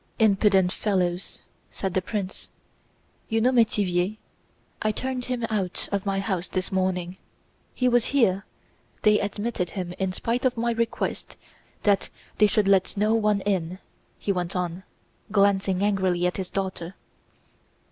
"Impudent fellows!" said the prince. "You know Métivier? I turned him out of my house this morning. He was here; they admitted him in spite of my request that they should let no one in," he went on, glancing angrily at his daughter.